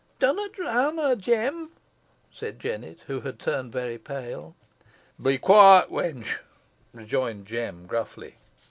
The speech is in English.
"Dunna drown her, Jem," said Jennet, who had turned very pale. "Be quiet, wench," rejoined Jem, gruffly.